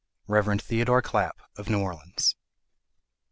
Rev. Theodore Clapp, of New Orleans.